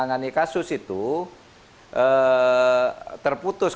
nah kita harap tentunya ibu beli